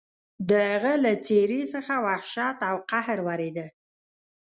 د هغه له څېرې څخه وحشت او قهر ورېده.